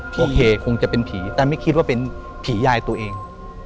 โอเคคงจะเป็นผีแต่ไม่คิดว่าเป็นผียายตัวเอง